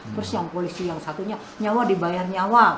terus yang polisi yang satunya nyawa dibayar nyawa